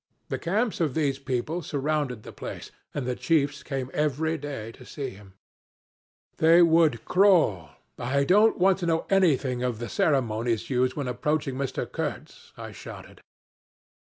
The camps of these people surrounded the place, and the chiefs came every day to see him. They would crawl. ... 'I don't want to know anything of the ceremonies used when approaching Mr. Kurtz,' I shouted.